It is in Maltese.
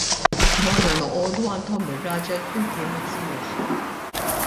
Morna noqogħdu għand omm ir-raġel flimkien ma' zijuh.